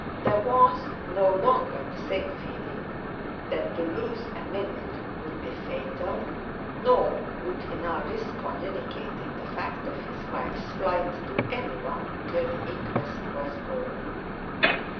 There was no longer the same feeling that to lose a minute would be fatal, nor would he now risk communicating the fact of his wife's flight to anyone till the inquest was over.